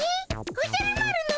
おじゃる丸の虫